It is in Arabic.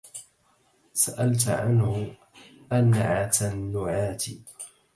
سألتَ عنه أَنْعَتَ النُّعاتِ